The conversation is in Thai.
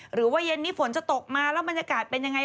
หรือว่าเย็นนี้ฝนจะตกมาแล้วบรรยากาศเป็นยังไง